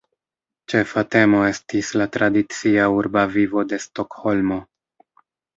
Ĉefa temo estis la tradicia urba vivo de Stokholmo.